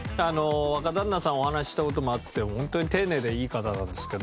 若旦那さんお話した事もあってホントに丁寧でいい方なんですけど。